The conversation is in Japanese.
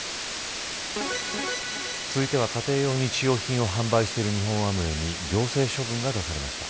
続いては、家庭用日用品を販売しているアムウェイに行政処分が出されました。